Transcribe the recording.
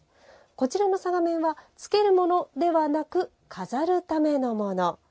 こちらの嵯峨面はつけるものではなく飾るためのもの。